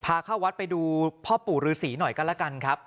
พาเข้าวัดไปดูพ่อปู่รือศรีหน่อยกันละกันครับ